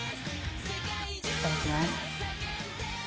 いただきます。